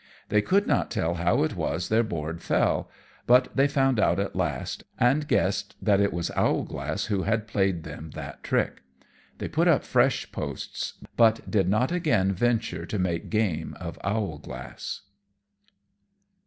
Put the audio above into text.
They could not tell how it was their board fell; but they found out at last, and guessed that it was Owlglass who had played them that trick. They put up fresh posts, but did not again venture to make game of Owlglass.